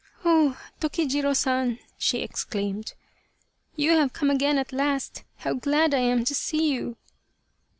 " Oh ! Tokijiro San," she exclaimed, " you have come again at last, how glad I am to see you